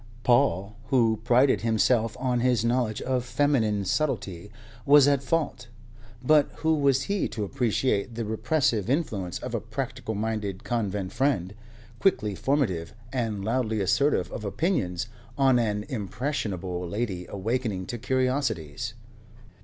Paul, who prided himself on his knowledge of feminine subtlety, was at fault; but who was he to appreciate the repressive influence of a practical minded convent friend, quickly formative and loudly assertive of opinions, on an impressionable lady awakening to curiosities?